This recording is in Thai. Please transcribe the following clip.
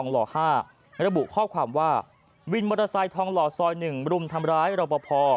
ระบุข้อความว่าวินมอเตอร์ไซค์ทองหล่อซอย๑รุมทำร้ายรอปภ